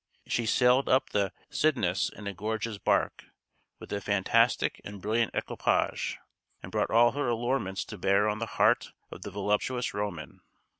She sailed up the Cydnus in a gorgeous bark, with a fantastic and brilliant equipage, and brought all her allurements to bear on the heart of the voluptuous Roman.